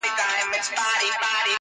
خدای دي رحم پر زاړه کفن کښ وکي،